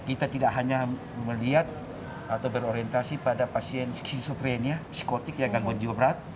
kita tidak hanya melihat atau berorientasi pada pasien skisokrenia psikotik yang gangguan jiwa berat